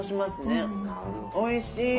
おいしい！